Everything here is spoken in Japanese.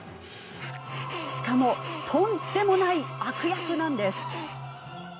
しかもとんでもない悪役なんです。